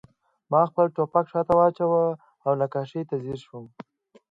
ما خپل ټوپک شاته واچاوه او نقاشۍ ته ځیر شوم